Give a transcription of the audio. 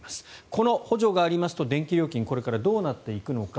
この補助がありますと電気料金はこれからどうなっていくのか。